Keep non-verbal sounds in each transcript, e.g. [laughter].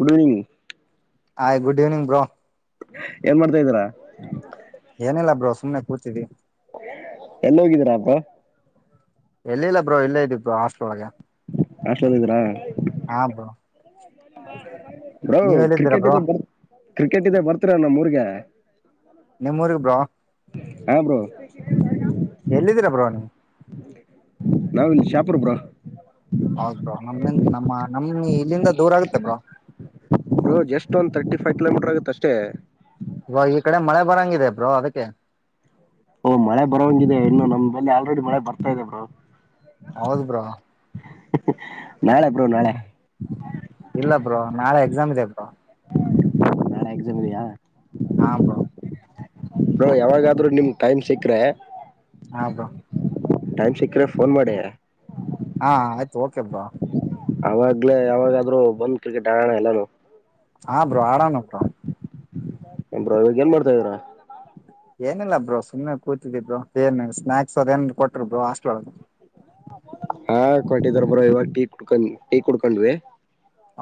Good evening. Hi good evening bro ಏನ್ ಮಾಡ್ತಾ್ದೀರಾ. ಸುಮ್ಮನೆ ಕೂತಿದ್ವಿ ಎಲ್ಲ್ ಹೋಗಿದ್ದೀರಾ ಬ್ರೋ ಎಲ್ಲಿ ಇಲ್ಲ ಬ್ರೋ ಇಲ್ಲೇ ಇದ್ದಿ ಬ ಹಾಸ್ಟೆಲ್ ಒಳಗೆ. ಹಾಸ್ಟೆಲ್ ಅಲ್ಲಿ ಇದ್ದೀರಾ ಹಾ ಬ್ರೋ ಬ್ರೋ ನೀವ್ ಎಲ್ಲಿದ್ದೀರಾ ಕ್ರಿಕೆಟ್ ಬ್ರೋ ಇದೆ ಬರ್ ಕ್ರಿಕೆಟ್ ಇದೆ ಬರ್ತಿರ ನಮ್ಮ್ ರ್ಗೆ. ನಿಮ್ಮ್ೂಊರಿಗೆ ಬ್ರೋ ಹಾ ಬ್ರೋ ಎಲ್ಲಿದ್ದೀರಾ ಬ್ರೋ ನೀವು ನಮ್ಮದು ಶಹಾಪುರ ಬ್ರೋ. ಹೌದ ನಮ್ಮ ನಮ್ಮ ನಮ್ಮ ಇಲ್ಲಿಂದ ದೂರ ಆಗುತ್ತೆ ಬ್ರೋ ಹ್ ಜಸ್ಟ್ ಒಂದ್ ತರ್ಟಿಫೈವ್ ಕಿಲೋಮೀಟರ್ ಆಗುತ್ತೆ ಅಷ್ಟೇ. ಇವ ಈ ಕಡೆ ಮಳೆ ಬರಂಗಿದೆ ಬ್ರೋ ಅದಕ್ಕೆ. ಓ ಮಳೆ ಬರಂಗಿದೆ ಇನ್ನು ನಮಲ್ಲಿ ಆಲ್ರೆಡಿ ಮಳೆ ಬರ್ತಾ ಇದೆ ಬ್ರೋ ಹೌದು ಬ್ರೋ [inaudible] ನಾಳೆ ಇಲ್ಲ ಬ್ರೋ ನಾಳೆ. ಎಕ್ಸಾಮ್ ಇದೆ ಅಪ್ಪಾ ಹಾ ನಾಳೆ ಎಕ್ಸಾಮ್ ಇದೆಯಾ. ಹಾ ಬ್ರೋ ಹಾ ಬ್ರೋ ಯಾವಾಗಾದ್ರೂ ನಿಮ್ಮ ಗೆ ಟೈಮ್ ಸಿಕ್ಕ್ರೆ. ಹಾ ಬ್ರೋ ಟೈಮ್ ಸಿಕ್ಕ್ರೆ ಫೋನ್ ಮಾಡಿ. ಹಾ ಆಯ್ತು ಓಕೆ ಬ್ರೋ ಅವಾಗ್ಲೇ ಯಾವಾಗಾದ್ರೂ ಬಂದ್ ಕ್ರಿಕೆಟ್ ಆಡೋಣ ಎಲ್ಲಾ ನು ಹಾ ಬ್ರೋ ಆಡಮ್ ಅಂತಾ ಬ್ರೋ ಇವಾಗ ಏನ್ ಮಾಡ್ತಾ ಇದಿದೀ್ರ. ಏನಿಲ್ಲಾ ಬ್ರೋ ಸುಮ್ಮ್ನೆ ಕೂತಿದಿ ಬ್ರೋ ಏನ್ ಸ್ನಾಕ್ಸ್ ಅದೇನ್ ಕೊಟ್ರ ಬೋ ಹಾಸ್ಟ್ಲ್ಳಗ. ಹಾ ಕೊಟಿದಾರ ಬ್ರೋ ಇವಾಗ ಟೀ ಕುಡ್ಕೊಂಡ್ ಟೀ ಕುಡ್ಕೊಂಡ್ವಿ.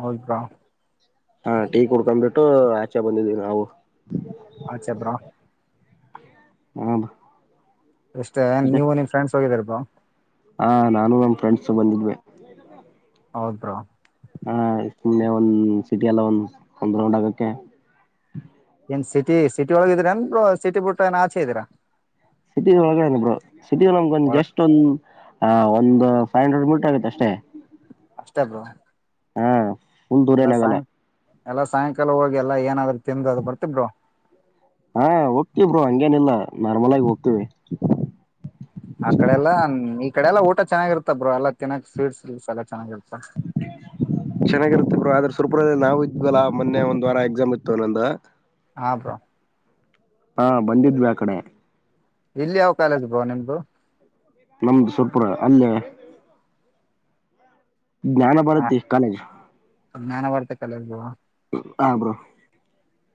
ಹೌದ್ ಬ್ರೋ ಹಾ ಟೀ ಕುಡ್ಕೊಂಡ್ಬಿಟ್ಟು ಆಚೆ ಬಂದಿದ್ವಿ ನಾವು. ಆ ಚೆ ಬ್ರೋ ಹ್ ಇಷ್ಟೇ ನೀವು ನಿನ್ ಫ್ರೆಂಡ್ಸ್. ಸರ್ಪ ಹಾ ನಾನು ನಮ್ಮ ಫ್ರೆಂಡ್ಸ ಬಂದಿದ್ವಿ. ಹೌದ್ ಬ್ರೋ ಹಾುಮ್ಮೆ ಒಂದ್ ಸಿಟಿ ಎಲ್ಲಾ ಒಂದ್ ಒಂದ್ ರ್ರೌಂಡ್ ಆಗಕ್ಕೆ. ಏನ್ ಸಿಟಿ ಸಿಟಿ ಒಳಗ ಇದೀರನ್ ಬ್ರೋ ಸಿಟಿ ಬಿಟ್ಟ ಏ ಆಚೆ ಇದೀರಾ ಬ್ರೋ ಸಿಟಿಗೆ ಒಳಗಡೆ ಬ್ರೋ ಸಿಟ ನಮ್ಗೊಂದ್ ಒಳಗ ಜಸ್ಟ್ ಒಂದ್ ಆ ಒಂದ್ ಫೈವ್ ಹಂಡ್ರೆಡ್ ಮಿಟ್ರ್ ಆಗುತ್ತೆ ಅಷ್ಟೇ. ಅಷ್ಟೇ ಬ್ರೋ ಹ್ಮ [unintelligible] ರನಗಲ್ಲ ಎಲ್ಲ ಸಾಯಂಕಾಲ ಹೋಗಿ ಎಲ್ಲಾ ಏನಾದ್ರರು ತಿಿಂದ ಅದು ಬರ್ತಬರು ಹಾ ಹೋಗ್ತ ಬರು ಹಂಗೇನಿಲ್ಲ ನಾರ್ಮಲ್ ಆಗಿ ಹೋಗ್ತಿವಿ ಆ ಕಡೆ ಎಲ್ಲಾ ಈ ಕಡೆಲ್ಲಾ ಊಟ ಚೆನ್ನಾಗಿರ್ತ ಬ್ರೋ ಎಲ್ಲ ತಿನ್ನ ಸ್ವೀಟ್ಸ್ ಸ ಚೆನ್ನಾಗಿರ್ತ್ತ ಚೆನ್ನಾಗಿರುತ್ತೆ ಬ್ರೋ ಅ್ರ ಸುರ್ಪುದಲ್ಲಿ ನಾವು ಲ ಮೊನೆ ಒಂದು ವಾರಎಕ್ಸಾಮ್ ತೊನ್ನೊಂದು ಹಾ ಬ್ರೋ ಹಾ ಬಂದಿದ್ವಿ ಆ ಕಡೆ ಇಲ್ಲಿ ಯಾವ ಕಾಲೇಜ ಬೋ ನಿಮ್ದು ನಮ್ದು ಸ್ವಲ್ಪ ಅಲ್ಲೇ ಜ್ಞಾನ ಬರುತ್ತೆ ಕಾಲೇಜ್ ಜ್ಞಾನ ಮಾಡರ್ತಕ್ಕಲ್ಲ ಹ ಬ್ರೋ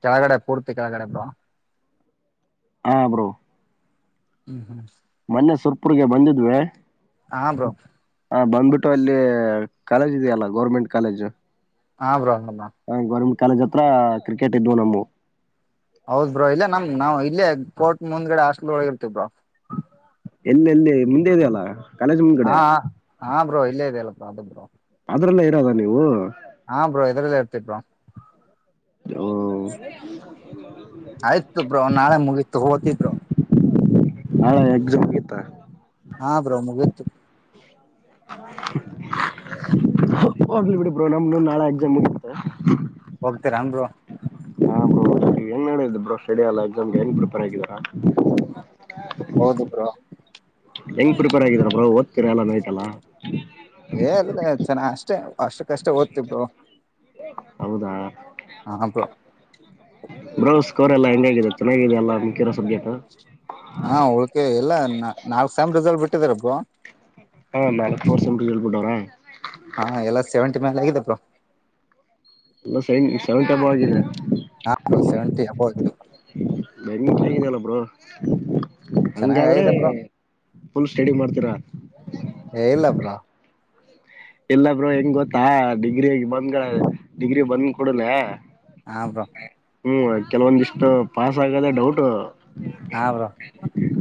ಕೆಳಗಡೆ ಪೂರ್ತಿ ಕೆಳಗಡೆ ಬ್ರೋ ಹಾ ಬ್ರೋ ಹ್ಮ್ ಹ್ಮ ಮೊನ್ನೆ ಸುಪ್ರರಿಗ್ಗೆ ಬಂದಿದ್ವೆ ಹಾ ಬ್ರೋ ಹಾ ಬಂದ್ಬಿಟ್ಟು ಅಲ್ಲಿ ಕಾಲೇಜ್ ಇದೆಯಲ್ಲ ಗೌರ್ಮೆಂಟ್ ಕಾಲೇಜು ಹಾ ಬ್ರೋ ಹ ಗರ್ [inaudible] ಕಾಲ್ ಹತ್ರ ಕ್ರಿಕೆಟ್ ಇದವು ನಮ್ಮ ಹೌದ್ ಬ್ರೋ ಇಲ್ಲ ನಮ್ ನಾ ನಾ ಇಲ್ಲೇ ಕೋರ್ಟ್ ಮುಂದ್ಗಡೆ ಹಾಸ್ಟೆಲ್ ಒಳಗೆ ಇರ್ತೀವಿ ಬ್ರೋ ಎಲ್ಲ ಎಲ್ಲಿ ಮುಂದೆ ಇದೆಯಲ್ಲ ಕಾಲೇಜ್ ಮುಂದ್ಗಡೆ ಹಾ ಹಾ ಬ್ರೋ ಇಲ್ಲೇ ಈದಿಯಲ್ಲ ಅದೇ ಬ್ರೋ ಅದ್ರೆಲ್ಲ ಇರೋದ ನೀವು ಹಾ ಬ್ರೋ ಇದ್ರಲ್ಲ ಇರ್ತೀ ಬ್ರೋ [inaudible] ಆಯ್ತು ಬ್ರೋ ನಾಳೆ ಮುಗಿತ್ ಹೋತಿ ಬ್ರೋ ಹಾ ನಾಳೆ ಎಕ್ಸಾಮ್ ಮುಗಿತಾ ಹಾ ಬ್ರೋ ಮುಗಿತ್ತು ಹೋಗ್ಲಿ ಬಿಡಿ ಬೋ ನಮ ನಾಳೆ ಎಕ್ಸಾಮ್ ಮುಗುತ್ತಾತೆ ಹೋಗ್ತೀರಾ ಬ್ರೋ ಹಾ ಬೋ ಏನ್ ನಡಿದ್ದ ಬ್ರೋ ಸ್ಟಡಿ ಅಲ್ಲ ಎಕ್ಸಾಮ್ಗೆ ನ್ ಪ್ರಿಪೇರ್ ಆಗಿದಾರಾ ಹೌದು ಬ್ರೋ ಹೆಂಗ್ ಪ್ರಿಪೇರ್ ಆಗಿದರ ಬ್ರಾ ಒತೀರಾ ನೈಟ್ಯಲ್ ಏ ಅಲ್ ಚೆನ್ನ ಅಷ್ಟೇ ಅಷ್ಟು ಕಷ್ಟ ಓದ್ತಿವಿ ಬ್ರೋ ಹೌದಾ ಹ ಬ್ರೋ ೋರೆ ಎಲ್ಲ ಹೆಂಗಾಗಿದೆ ಚೆನ್ನಾಗಾಗಿದೆ ಎಲ್ಲ ಮುಕ್ಕಿರೋ ಸಬ್ಜೆಕ್ಟ್ ಹಾ ಓಲುಕ್ಕೇ ಎಲ್ಲಾ ನಾಲ್ಕ್ ಸಾಮ್ ರಿಸಲ್ಟ್ ಬಿಟ್ಟಿದರೆ ಬ್ರೋ ಹಾ ನಾಲ್ಕು ವರ್ಷಂ [inaudible] ಹೇಳ್ಬಿಟ್ಟವ್ರ ಹಾ ಎಲ್ಲ ಸೆವೆಂಟಿ ಮೈಲ್ ಆಗಿದೆ ಎಲ್ಲ ಸೇವೆಂಟಿ ಅಬೊವೆ ಆಗಿದ್ದೆ ಹಾ ಬ್ರೋ ಸೆವೆಂಟಿ ಅಬೋ ಆಗಿದೆ ಬ್ರೋ. ಬೆಂಕಿ ಇದ್ದೆಲ್ಲ ಬರೋ ಚೆನ್ನಾಗ್ ಹಂಗಾದ್ರೆ ಆಗಿದೆ ಬ್ರೋ ಫುಲ್ ಸ್ಟಡಿ ಮಾಡ್ತೀರಾ ಏ ಇಲ್ಲ ಬ್ರೋ ಇಲ್ಲ ಬ್ರೋ ಹೆಂಗ್ ಗೊತ್ತಾ ಡಿಗ್ರಿ ಬಂದ್ ಡಿಗ್ರಿ ಬಂದ್ ಕೊಡಲೇ ಹ ಬ್ರೋ ಹ್ಮ್ ಕೆಲವೊಂದಿಷ್ಟು ಪಾಸ್ ಆಗದೆೇ ಡೌಟ್ ಹಾ ಬ್ರೋ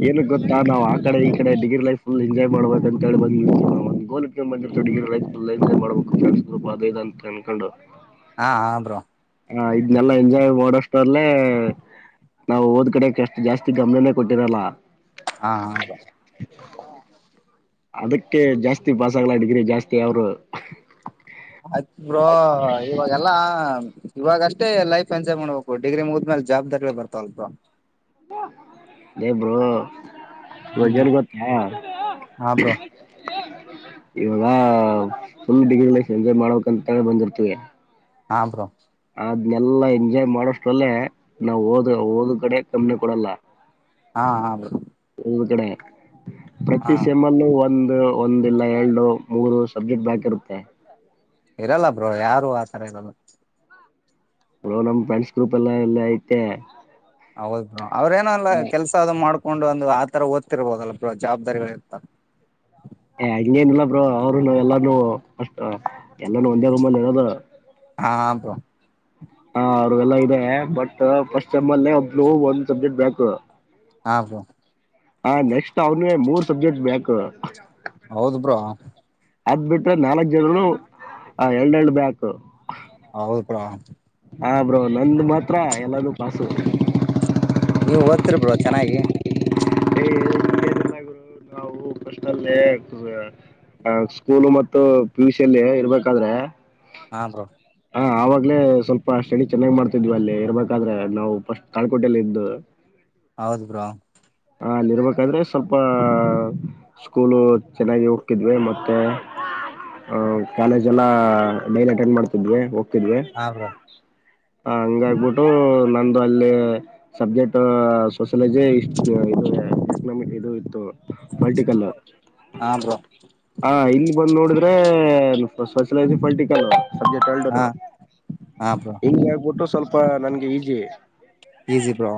ಏನು ಗೊತ್ತಾ ನಾವ್. ಈ ಕಡೆ ಈ ಕಡೆ ಡಿಗ್ರಿ ಲೈಫ್ ಫುಲ್ ಎಂಜಾಯ್ ಮಾಡಬೇಕ ಅಂತ ಹೇಳಿ ಬಂದಿರ್ತಿವ ನಾವ್ ಒಂದ್ ಗೋಲ್ ಇಟ್ಕೊಂಡ್ಬಂದಿರ್ತಿವ. ಮಾಡ್ಬೇಕು ಫುಲ್ ಎಂಜಾಯ್ ಮಾಡ್ಬೇಕು ಫೆಡ್ಸ್ ಗ್ರೂಪ್ ಅದ ಇದು ಅಂತ ಅನ್ಕೊಂಡು. ಹಾ ಹಾ ಬ್ರೋ. ಹ ಇದನೆಲ್ಲಾ ಎಂಜಾಯ್ ಮಾಡೋಷ್ಟ್ರಲ್ಲೆ ನಾವು ಓದ್ ಕಡೆಕ್ ಅಷ್ಟು ಜಾಸ್ತಿ ಗಮನನೇ ಕೊಟ್ಟಿರಲ್ಲ. ಹಾ ಹೌದು. ಹಾ. ಅದಕ್ಕೆ ಜಾಸ್ತಿ ಪಾಸ್ ಆಗ್ಲ ಡಿಗ್ರಿ ಜಾಸ್ತಿ ಯವರು. ಆಯ್ತ್ ಬ್ರೋ ಇವಾಗೆಲ್ಲಾ. ಇವಾಗ ಅಷ್ಟೇ ಲೈಫ್ ಎಂಜಾಯ್ ಮಾಡ್ಬೇಕು ಡಿಗ್ರಿ ಮುಗಿದ್ಮೇಲೆ ಜವಾಬ್ದಾರಿಗಳ ಬರ್ತಾವಲ್ಪ. They bro. ಈವಾಗ ಹ್ಮ್ ಏನ್ ಗೊತ್ತಾ. ಹಾ ಬ್ರೋ ಇವಾಗ ಫುಲ್ ಡಿಗ್ರಿ ಎಂಜಾಯ್ ಮಾಡ್ಬೇಕಂತ ಹೇಳ್ ಬಂದಿರ್ತವಿ. ಹಾ ಬ್ರೋ. ಅದನೆಲ್ಲಾ ಎಂಜಾಯ್ ಮಾಡೋಷ್ಟ್ರಲ್ಲೇ ನಾವ್ ಓದು ಓದ ಕಡೆ ಗಮನಾ ಕೊಡಲ್ಲ. ಹಾ ಹಾ ಬ್ರೋ. ಓದ ಕಡೆ ಹಾ ಪ್ರತಿ ಸೆಮಲ್ಲೂ ಒಂದ್. ಒಂದ್ ಇಲ್ಲಾ ಎಲ್ಡು ಮೂರು ಸಬ್ಜೆಕ್ಟ್ ಬ್ಯಾಕಿರುತ್ತೆ. ಇರಲ್ಲ ಬ್ರೋ ಯಾರು ಆತರ ಇರಲ್ಲ. ಹ ನಮ್ ಫ್ರೆಂಡ್ಸ್ ಗ್ರೂಪ್ ಎಲ್ಲ ಎಲ್ಲ ಐತೆ. ಹೌದ ಬ್ರೋ. ಅವ್ರೇನ ಅಲ್ಲ ಕೆಸ ಅದು ಮಾಡ್ಕೊಂಡ. ತಕೊಂಡು ಒಂದು ಆತರ ಓದ್ತಿರ್ಬಹದಲ್ಲ ಬ್ರೋ ಜವಾಬ್ದಾರಿಗಳು ಇರ್ತ. ಹಂಗೇನಿಲ್ಲ ಬ್ರೋ ಅವ್ರು ನಾವ ಎಲ್ಲಾನೂ ಅಷ್ಟ ಎಲ್ಲಾನೂ ಒಂದೇ ರೂಮಲ್ಲಿ ಇರೋದು. ಹಾ ಬ್ರೋ. ಹಾ ಅವ್ರಗೆಲ್ಲ ಇದೆ ಬಟ್ ಫಸ್ಟ್ ಸೆಮಲ್ಲೆ ಒಬ್ಲು ಒಂದ್ ಸಬ್ಜೆಕ್ಟ್ ಬ್ಯಾಕು. ಹಾ ಬ್ರೋ. ಹಾ ನೆಕ್ಸ್ಟ್ ಅವನುವೆ ಮೂರ್ ಸಬ್ಜೆಕ್ಟ್ ಬ್ಯಾಕ್. ಹೌದು ಬ್ರೋ. ಅದ ಬಿಟ್ರೆ ನಾಲ್ಕ್ ಜನನು ಎಲ್ಡ್ ಎಲ್ಡ್ ಬ್ಯಾಕ್. ಹೌದ ಬ್ರೋ ಹಾ ಬ್ರೋ ನಂದ್ ಮಾತ್ರ ಎಲ್ಲಾನೂ ಪಾಸು. ನೀವ್ ಓದ್ತಿರಿ ಬ್ರೋ ಚೆನ್ನಾಗಿ. ಏ ಅಲ್ಲೇ [inaudible] ಹ ಸ್ಕೂಲು ಮತ್ತ. ಇ ಪಿಯುಸಿಲ್ಲಿ ಇರ್ಬೇಕಾದ್ರೆ. ಹಾ ಬ್ರೋ. ಹಾ ಆವಾಗ್ಲೇ ಸ್ವಲ್ಪ. ಸ್ಟಡಿ ಚೆನ್ನಾಗಿ ಮಾಡ್ತಿದ್ವಿ ಅಲ್ಲಿ ಇರ್ಬೇಕಾದ್ರೆ ನಾವು ಫಸ್ಟ್ ತಾಳ್ಕೋಟೆಲ್ಲ ಇದ್ದು. ಹೌದು ಬ್ರೋ. ಅ ಅಲ್ಲಿರ್ಬೇಕಾದ್ರೆ ಸ್ವಲ್ಪ ಸ್ಕೂಲು ಚೆನ್ನಾಗಿ ಹೋಗ್ತಿದ್ವಿ ಮತ್ತೆ ಕಾಲೇಜ್ ಎಲ್ಲ ಲೈನ್ ಅಟೆಂಡ್ ಮಾಡ್ತಿದ್ವಿ. ತಿದ್ವಿ. ಹಾ ಬ್ರೋ ಹಾ ಹಂಗ ಆಗಬಿಟ್ಟು ನಂದು ಅಲ್ಲಿ ಸಬ್ಜೆಕ್ಟ್ ಸೋಶಲಜಿ ಇಷ್ಟ. [unintelligible] ಎಕಾನಮಿ ಇದು ಇತ್ತು. ಮಲ್ಟಿ ಕಲರ್ ಹಾ ಬ್ರೋ ಹ ಇಲ್ಲಿ. ಬಂದ್ ನೋಡಿದ್ರೆ ಸೋಶಲೈಸಿ ಪೊಲಿಟಿಕಲ್. ಹಾ [unintelligible] ಎದು ಹಾ ಬ್ರೋ ಹಿಂಗೆ ಹೇಬಿಟ್ಟು. ಸ್ವಲ್ಪ ನನ್ಗೆ ಈಜಿ ಈಜಿ ಬ್ರೋ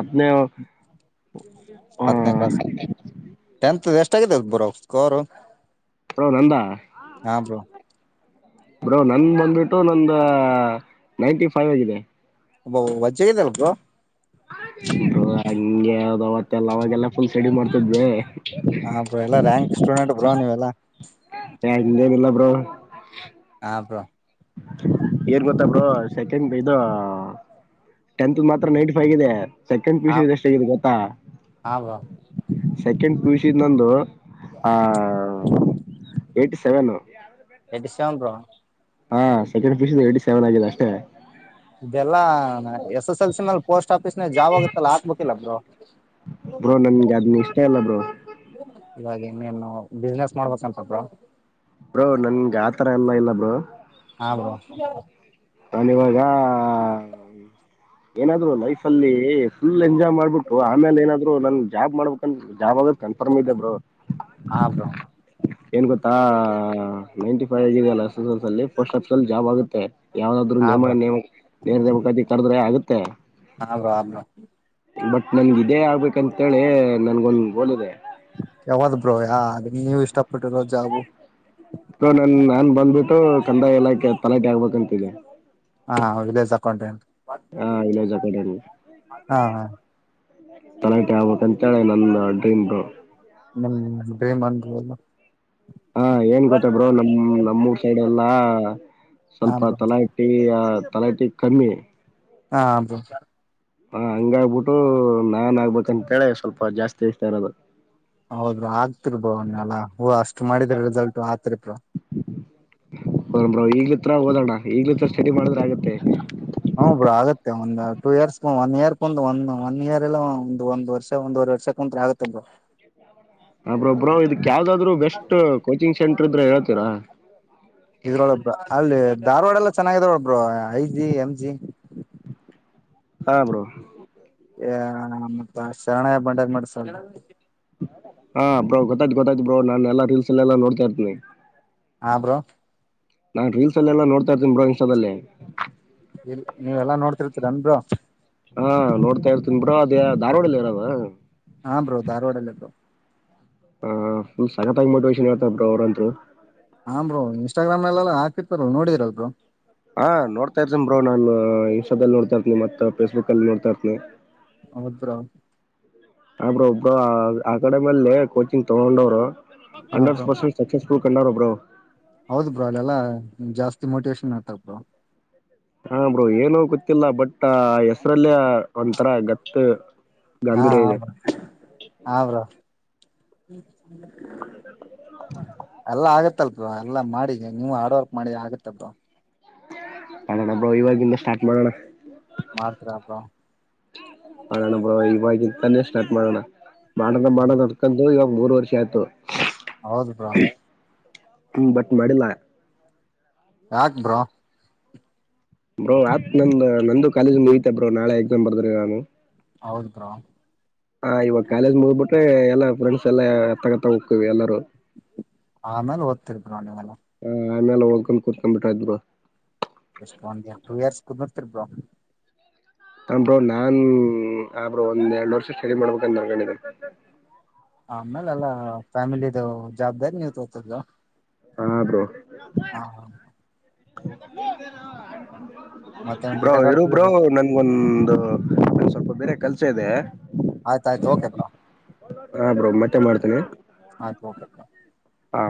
ಅದ್ನೇ ಹಾ. ತೆಗೆದೀ [unintelligible] ಸ್ಕೋರು ಹೋ ನಂದ. ಹಾ ಬ್ರೋ. ಬ್ರೋ ನನ್ನ ಬಂದ್ಬಿಟ್ಟು ನಂದ ನೈಂಟಿ ಫೈವ್ ಆಗಿದೆ. ಅ ವಜ್ಜ ಆಗಿದವ್ ಬ್ರೋ. ಬ್ರೋ ಹಂಗೆ ಯಾವ್ದೋ ಅವತ್ತೆಲ್ಲ ಅವಾಗೆಲ್ಲ ಫುಲ್ ಸ್ಟೇಡಿ ಮಾಡ್ತಿದ್ವಿ. ಹಾ ಬ್ರೋ ಎಲ್ಲ ರ‍್ಯಾಂಕ್ ಸ್ಟೂಡೆಂಟ್ ಬ್ರೋ ನೀವೆಲ್ಲಾ. ಯ ಹಾಂಗೇನಿಲ್ಲ ಬ್ರೋ. ಹಾ ಬ್ರೋ ಏನ್ ಗೊತ್ತಾ ಬ್ರೋ ಸೆಕೆಂಡ್ ಇದು ಟೆಂತ್ ದ ಮಾತ್ರ ನೈನ್ಟ್ ಬ್ರೋ ಹೇಗಿದೆ. ಸೆಕೆಂಡ್ ಹಾ ಪಿಯುಸಿದ ಎಷ್ಟ ಆಗೇತಿ ಗೊತ್ತಾ. ಹಾ ಬ್ರೋ ಸೆಕೆಂಡ್ ಪಿಯುಸಿ ದ್ ನಂದು ಹಾ eighty seven. Eighty seven bro ಹಾ ಸೆಕೆಂಡ್ ಪಿಯುಸಿ ದ ಎಯ್ಟಿ ಸೆವೆನ್ ಆಗಿದೆ ಅಷ್ಟೆ. ಇದೆಲ್ಲಾ ಎಸ್ ಎಸ್ ಎಲ್ ಸಿ ನಲ್ ಪೋಸ್ಟ್ ಆಫೀಸ್ ನ್ಯಾಗ ಜಾಬ್ ಆಗುತ್ತಲ್ಲ ಹಾಕಬೇಕು. ಹಾಕಿಲ್ಲ ಬ್ರೋ ಬ್ರೋ ನನ್ಗೆದ್ನ ಇಷ್ಟ ಇಲ್ಲ ಬ್ರೋ. ಇವಾಗ ಇನ್ನೇನು ಬ್ಯುಸಿನೆಸ್ ಮಾಡ್ಬೇಕಂತ ಬ್ರೋ. ಬ್ರೋ ನನ್ಗೆ ಆತರ ಎಲ್ಲಾ ಇಲ್ಲ ಬ್ರೋ. ಹ ಬ್ರೋ ನಾನ್ ಇವಾಗ ಏನಾದ್ರು ಲೈಫ್ ಅಲ್ಲಿ ಫುಲ್ ಎಂಜಾಯ್ ಮಾಡ್ಬಿಟ್ಟು ಆಮೇಲೆ ಏನಾದ್ರು ನನ್ ಜಾಬ್ ಮಾಡ್ಬೇಕ ಜಾಬ್ ಆಗದ ಕನ್ಫರ್ಮ್ ಇದೆ ಬ್ರೋ. ಹಾ ಬ್ರೋ ಏನ್ ಗೊತ್ತಾ ನೈಂಟಿ ಫೈವ್ ಆಗಿದೆಲ್ಲ ಎಸ್ ಎಸ್ ಎಲ್ ಸಿ ಅಲ್ಲಿ ಪೋಸ್ಟ್ ಆಫ್ಸಲ್ಲಿ ಜಾಬ್ ಆಗುತ್ತೆ. ಯಾವ್ದಾದ್ರು ಹಾ ನೇಮ ಬ್ರೋ ನೇಮ. ಬೇರೆ ದೇ ಮುಖಾತಿ ಕದ್ರೆ ಆುತ್ತೆ ತ್ ಹಬ್ರ ಆಬ್್ರೋ ಬಟ್ ನನ್ಗ ಇದೇ ಆಗ್ಬೇಕಂತೇಳಿ ನನ್ಗೊಂದ್ ಗೋಲ್ದೆ ಯಾವ್ದ ಬ್ರೋ ಯಾ ಅದ ನೀವು ಇಷ್ಟಪಟ್ಟು ರೋಜಾಬು ಹ ನನ್ ನಾನ್ ಬಂದ್ಬಿಟ್ಟು ಕಂದಾಯ ಎಲಾಕೆ ತಲಾಟಿ ಆಗ್ಬೇಕಕ್ಂತಿದ್ದಿ ಹಾ ಹ ತಕೊಂಡ್ರಿ ಉ ಹಾ ಇನ್ನೋಜ ಕೊಡ ಹಾ ತನ ಆಬಬೇಕ ಅಂತೇಳಿ ನನ್ನ ಡ್ರೀಮರು ನಿಮ್ ಡ್ರೇಮ್ ಅಲ್ಲ ಹ ಏನ್ ಗೊತ್ತ ಬ್ರೋ ನಮ ನಮ್ಮೂರ್ ಸೈಡೆ ಎಲ್ಲಾ ಹಾ ಸ್ವಲ್ಪ ಬ್ರೋ ತಲಾ ಇಟ್ಟಿ ಆ ತಲಯಟಿ ಕಮ್ಮಿ ಹಾಬ ಹಾ ಹಂಗ ಆಗ್ಬಿಟ್ಟು ನಾನ್ ಆಗ್ಬೇಕಂತೇಳಿ ಸ್ವಲ್ಪ ಜಾಸ್ತಿ ಇಗ್ತಾ ಇರೋದು ಹೌದ ಆಗ್ತಿರ್ಬೋವನ್ನೆ ಎಲ್ಲಾ ಹೂವು ಅಷ್ಟೆ ಮಾಡಿದ್ರೆ ರಿಸಲ್ಟ್ ಆತರಿಪ ಹ ಈಗ್ಲತ್ರ ಓದೋಣ ಈಗ್ಲ ಹತ್ರ ಸ್ಟಡಿ ಮಾಡಿದ್ರೆ ಆಗತ್ತೆ ಹ್ಮ್ ಬ್ರೋ ಆಗುತ್ತೆ ಒಂದ್ ಟೂ ಇಯರ್ಸ್ ಒನ್ ಇಯರ್ ಬಂದ ಒಂದ ಒನ್ ಇಯರ್ ಎಲ್ಲ ಒಂದ ಒಂದ್ ವರ್ಷ ಒಂದುವರೆ ವರ್ಷಂತ ಆಗತ್ತ ಬ ಅ ಬರ್ ಇದು ಯಾವದಾದ್ರು ಬೆಸ್ಟ್ ಕೋಚಿಂಗ್ ನ್ಯಾಂಟ್ರು ಇದ್ರ ಹೇಳ್ತೀರಾ ಧಾರ್ವಾಡ ಎಲ್ಲ ಚೆನ್ನಾಗಾಗಿದೆಾವ ಒಬರು ಐ ಜಿ ಎಂ ಜಿ ಹಾ ಬ್ರೋ ಶಣ ಬಂಡಾಗ ಮಾಡಸಲ್ ಹಾ ಬ್ರೋ್ ಗೊಾಯ್ತ ಗೊತ್ತಾಯ್ು ಬ್ರೋ್ ನಾನು ಎಲ್ಲಾ ರೀಲ್ಸ್ ಎಲ್ಲ ಎಲ್ಲಾ ನೋಡ್ತಾ ಇರ್ತೀನಿ ಹಾ ಬ್ರೋ ನಾನ್ ರೀಲ್ಸ್ ಅಲ್ಲೆಲ್ಲಾ ನೋಡ್ತಾ ಇರ್ತೀನಿ ಬ್ರ ಇನ್ಸ್ಟಾದಲ್ಲಿ ಎಲ್ಲಿ ನೀವೆಲ್ಲಾ ನೋಡ್ತಿರ್ತೀರ ನನ್ರು ಹಾ ನೋಡ್ತಾ ಇರ್ತನ್ ಬ್ರ ಅದ ಧಾರವಾಡಲ್ಲ ಇರದ ಹಾ ಬ್ರೋ ಧಾರವಾಡ ಅಲ್ಲ ಬ್ರೋ ಹ ಫುಲ್ ಸಗತಾಗಿ ಮೋಟಿವೇಶನ್ ಇರ್ತ ಬರು ಅವ್ರಂತರು ಹ ಬ್ರೋ ಇನ್ಸ್ಟಾಗ್ರಾಮ್ ನಲ್ಲೆಲ್ಲ ಹಾಕಿರ್ಲ್ ನೋಡಡಿರಲ್ರು ಹಾ ನೋಡ್ತಾ ಇರ್ತೀ ಬ್ರೋ ನಾನು ಇನ್ಸ್ಟಾದಲ್ಲಿ ನೋಡ್ತಾ ಇರ್ತನಿ ಮತ್ತ ಫೇಸ್ಬುಕ್ ಅಲ್ಲಿ ನೋಡ್ತಾರ್ತನಿ ಹೌಧು ಬ್ರೋ ಆಬ್ರ ಒಬ್ಬ ಅಕಾಡೆಮಿಯ ಅಲ್ಲಿ ಕೋಚಿಂಗ್ ತಗೊಂಡವರು ಹಾ ಅಂಡ್ರೆಡ್ ಬ್ರೋ ಪರ್ಸೆಟ್ ಸಕ್ಸಸ್ಫುಲ್ ಕನ್ನರೊಬ್ಬ್ರೋ ಹೌದು ಬ್ರೋ ಅಲೆಲ್ಲ ಜಾಸ್ತಿ ಮೋಟಿವೇಶನ್ ಆತ ಬ್ರೋ ಹಾ ಬ್ರೋ ಏನೋ ಗೊತ್ತಿಲ್ಲ ಬಟ್ ಹೆಸ್ರಲ್ಲ ಒ ಅತ್ರ ಗತ್ ಹಾ ಗಾಂಭೀರ್ಯ ಹಾ ಇದೆ ಬ್ರೊ ಹಾಂ ಬ್ರೊ. ಹ್ಮ್ ಎಲ್ಲ ಆಗ್ತ್ ತ್ತಲ್ ಬ್ರೊ ಎಲ್ಲ ಮಾಡಿ ನೀವು ಹಾರ್ಡ್ ವರ್ಕ್ ಮಾಡಿ ಆಗುತ್ತೆ ಬ್ರೋ. [unintelligible] ಬ್ರೋ ಇವಾಗಿಂದ ಸ್ಟಾರ್ಟ್ ಮಾಡೋಣ ಮಾತ್ರರಪ್ಪ ಮಾಡೋಣ ಬ್ರೋ ಇವಾಗಿಂತನೆ ಸ್ಟಾರ್ಟ್ ಮಾಡೋಣ ಮಾಡೋದು ಮಾಡೋ ಅನ್ಕೊಂದು ಇವಾಗ. ಮೂರು ವರ್ಷ ಆಯಿತು ಹೌದು ಬ್ರೊ ಹ್ಮ ಬಟ್ ಮಾಡಿಲ್ಲ. ಯಾಕ್ ಬ್ರೂ. ಬ್ರೋ ಆತ್ ನಂದ ನಂದು ಕಾಲೇಜ್ ಮುಗಿಯಿತೇ ಬ್ರೋ ನಾಳೆ ಎಕ್ಸಾಮ್ ಬರ್ದ್ರಿ ನಾನು. ಹೌದ್ ಬ್ರೋ ಹಾಂ ಇವಾಗ ಕಾಲೇಜ್ ಮುಗ್ಬಿಟ್ಟು ಎಲ್ಲ ಫ್ರೆಂಡ್ಸ್ ಎಲ್ಲ ಅತ್ತಗತ್ತ ಹೋಕ್ವಿ ಎಲ್ಲರೂ ಆಮೇಲೆ ಓತಿರ್ ಬ್ರೊ ನೀವೆಲ್ಲ ಹ್ಮ್ ಆಮೇಲೆ ಓಕೋನ್ ಕುತ್ಕೊಂಡ್ ಬಿಟ್ರೆ ಆಯಿತ್ ಬ್ರೊ [unintelligible] ತಿರ್ಬ್ರ ಅಂದರು ನಾನ್ ಹಾಂ ಬ್ರೊ ಒಂದ್ ಎರಡು ವರ್ಷ ಸ್ಟಡಿ ಮಾಡ್ಬೇಕಂತ ಮಾಡಿಕೊಂಡಿದೆ. ಆಮೇಲ್ ಎಲ್ಲ ಫ್ಯಾಮಿಲಿ ದು ಜವಾಬ್ದಾರಿ ನೀವ್ತದು. ಹಾ ಬ್ರೋ [inaudible] ಮತ್ತೇನ್ ಬ್ರೋ ಕ್ರಿಕೆಟ್ ಇರು ಆಡ್ತಿದಿರ ಬ್ರೋ ನನ್ಗ ಒಂದ್ ಸ್ವಲ್ಪ ಬೇರೆ ಕಲ್ಸ ಇದೆ ಹಾ ಹಾ ಬ್ರೋ ಮತ್ತೆ ಮಾಡ್ತೇನಿ ಆಯ್ತ್ ಓಕೆ ಹಾಂ